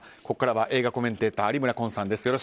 ここからは映画コメンテーター有村昆さんです。